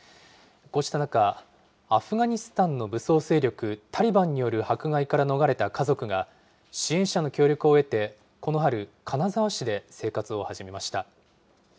こうした中、アフガニスタンの武装勢力タリバンによる迫害から逃れた家族が、支援者の協力を得て、この春、金沢市で生活を始めました。